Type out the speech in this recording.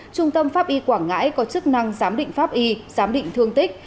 trung tâm pháp y quảng ngãi có chức năng giám định pháp y giám định thương tích